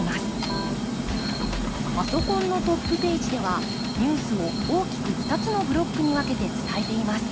パソコンのトップページではニュースを大きく２つのブロックに分けて伝えています。